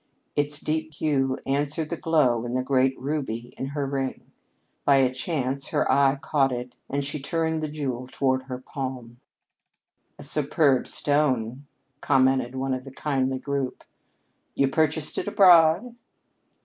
Its deep hue answered the glow in the great ruby in her ring. By a chance her eye caught it and she turned the jewel toward her palm. "A superb stone," commented one of the kindly group. "You purchased it abroad?"